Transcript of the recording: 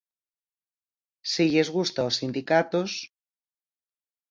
Si lles gusta aos sindicatos...